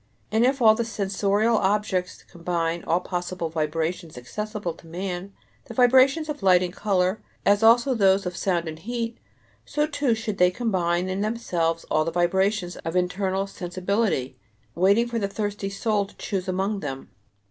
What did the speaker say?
And if all the sensorial objects combine all possible vibrations accessible to man the vibrations of light and color, as also those of sound and heat, so too should they combine in themselves all the vibrations of internal sensibility, waiting for the thirsty soul to choose among them.